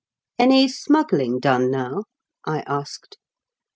"Any smuggling done now ?" I asked.